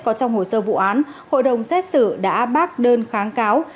có trong hồ sơ vụ án hội đồng xét xử đã bác đơn kháng cáo